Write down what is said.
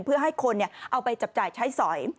เพื่อให้คนเอาไปจับจ่ายใช้สอย